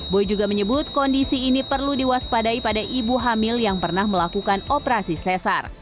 boy juga menyebut kondisi ini perlu diwaspadai pada ibu hamil yang pernah melakukan operasi sesar